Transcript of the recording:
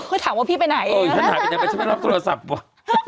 คือถามว่าพี่ไปไหนเออฉันถามไปไหนไปฉันไม่รับโทรศัพท์ว่ะ